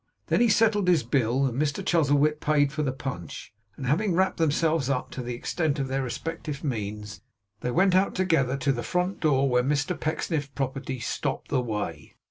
Then he settled his bill, and Mr Chuzzlewit paid for the punch; and having wrapped themselves up, to the extent of their respective means, they went out together to the front door, where Mr Pecksniff's property stopped the way.